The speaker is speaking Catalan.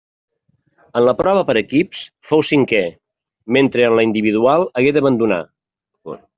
En la prova per equips fou cinquè, mentre en la individual hagué d'abandonar.